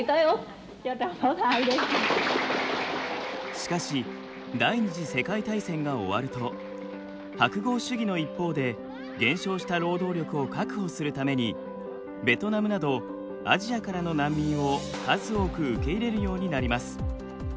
しかし第二次世界大戦が終わると白豪主義の一方で減少した労働力を確保するためにベトナムなどアジアからの難民を数多く受け入れるようになります。